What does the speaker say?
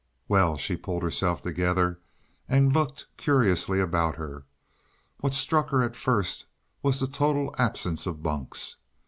"Well!" She pulled herself together and looked curiously about her. What struck her at first was the total absence of bunks.